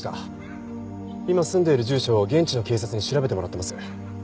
今住んでいる住所を現地の警察に調べてもらってます。